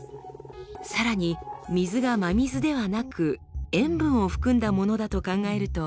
さらに水が真水ではなく塩分を含んだものだと考えると。